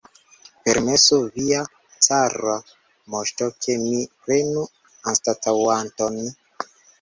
Permesu, via cara moŝto, ke mi prenu anstataŭanton!